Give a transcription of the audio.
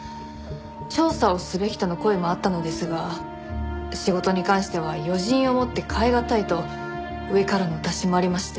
調査をすべきとの声もあったのですが仕事に関しては余人をもって代えがたいと上からのお達しもありまして。